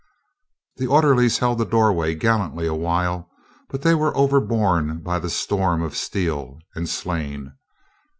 The orderlies held the doorway gallantly a while, but they were overborne by the storm of steel and slain.